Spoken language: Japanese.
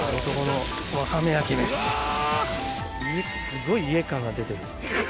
すごい家感が出てる。